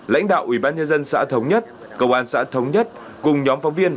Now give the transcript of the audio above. lãnh đạo ubnd xã thống nhất cơ quan xã thống nhất cùng nhóm phóng viên